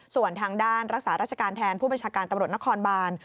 ส่วนทางด้านรักษาราชการแทนผู้บัญชาการตำรวจนครบาน